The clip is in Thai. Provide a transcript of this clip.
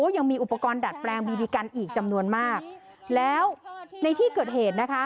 ยังมีอุปกรณ์ดัดแปลงบีบีกันอีกจำนวนมากแล้วในที่เกิดเหตุนะคะ